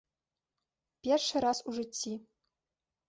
Першы раз у жыцці.